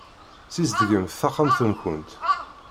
Ssizdgemt taxxamt-nkent.